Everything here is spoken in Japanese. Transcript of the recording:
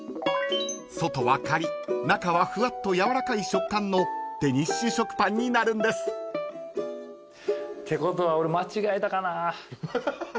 ［外はカリッ中はフワッとやわらかい食感のデニッシュ食パンになるんです］ってことは俺間違えたかな。